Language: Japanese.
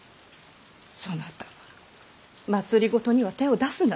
そなたは政には手を出すなと。